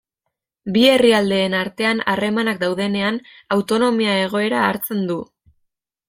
Bi herrialdeen artean harremanak daudenean, autonomia egoera hartzen du.